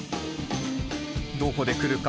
どこで来るか！